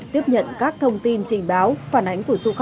tiếp nhận các thông tin